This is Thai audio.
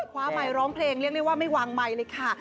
ไมค์ร้องเพลงเรียกได้ว่าไม่วางไมค์เลยค่ะ